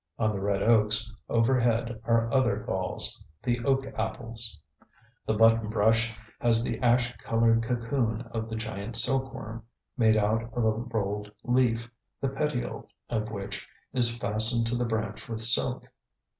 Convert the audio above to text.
On the red oaks over head are other galls, the oak apples. The buttonbush has the ash colored cocoon of the giant silkworm, made out of a rolled leaf, the petiole of which is fastened to the branch with silk.